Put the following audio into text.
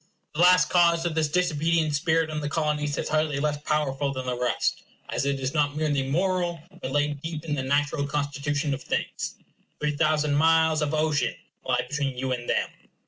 The last cause of this disobedient spirit in the Colonies is hardly less powerful than the rest, as it is not merely moral, but laid deep in the natural constitution of things. Three thousand miles of ocean lie between you and them.